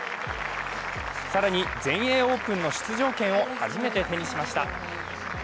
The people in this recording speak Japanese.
更に全英オープンの出場権を初めて手にしました。